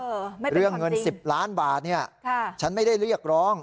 ไม่เป็นคนจริงเรื่องเงินสิบล้านบาทเนี่ยค่ะฉันไม่ได้เรียกร้อง